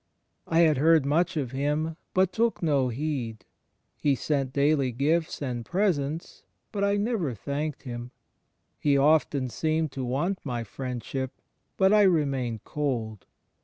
I had heard much of Him, but took no heed. He sent daily gifts and presents, but I never thanked Him. He often seemed to want my friendship, but I remained cold.